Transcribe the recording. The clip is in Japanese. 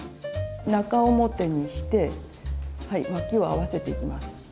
中表にしてわきを合わせていきます。